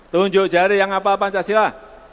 tunjuk jari yang hafal pancasila